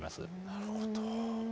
なるほど。